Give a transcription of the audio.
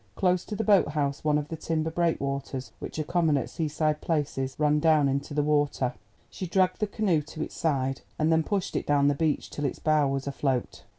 Close to the boat house one of the timber breakwaters, which are common at sea side places, ran down into the water. She dragged the canoe to its side, and then pushed it down the beach till its bow was afloat.